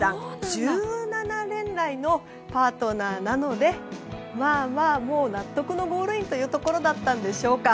１７年来のパートナーなのでまあ、もう納得のゴールインというところだったんでしょうか。